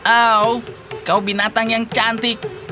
oh kau binatang yang cantik